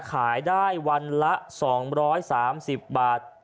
ขายได้วันละ๒๓๐บาท